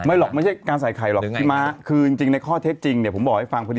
ไม่หรอกคือจริงในข้อเท็จจริงผมบอกให้ฟัง